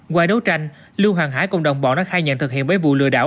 qua đấu tranh lưu hoàng hải cộng đồng bọn đã khai nhận thực hiện bấy vụ lừa đảo